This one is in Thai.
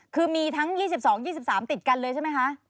คือมีทั้ง๒๒๒๓ติดกันเลยใช่ไหมคะ